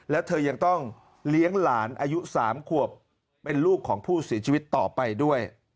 แล้วเธอยังต้องเลี้ยงหลานอายุ๓ขวบเป็นลูกของผู้เสียชีวิตต่อไปด้วย